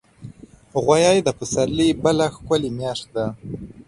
غویی د پسرلي بله ښکلي میاشت ده.